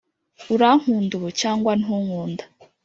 urankunda ubu cyangwa ntunkunda?